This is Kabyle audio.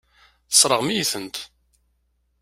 Tesseṛɣem-iyi-tent.